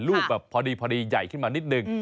ลูกแบบพอดีใหญ่ขึ้นมานิดนึง